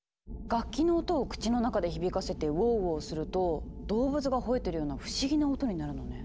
楽器の音を口の中で響かせて「ウォウウォウ」すると動物がほえてるような不思議な音になるのね。